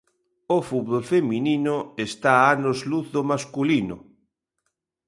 O fútbol feminino está a anos luz do masculino